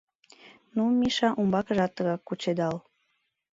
— Ну, Миша, умбакыжат тыгак кучедал.